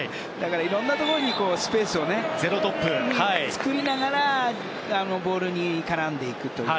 いろんなところにスペースを作りながらボールに絡んでいくという。